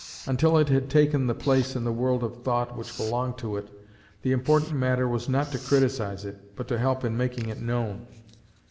Until it had taken the place in the world of thought which belonged to it, the important matter was not to criticise it, but to help in making it known.